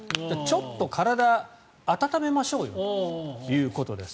ちょっと体、温めましょうということです。